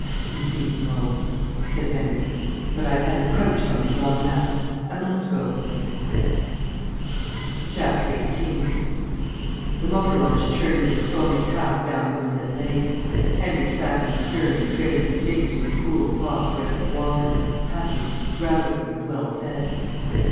"Indeed, no," said Henry. "But I have encroached on you long enough. I must go." 18 The motor launch churned its foaming path down the moonlit lake. Henry sat in the stern, trailing his fingers in cool, phosphorescent water, happy, drowsy, and well fed.